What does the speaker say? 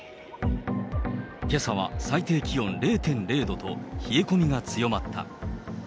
けさは最低気温０．０度と、冷え込みが強まった。